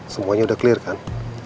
semuanya udah clear kan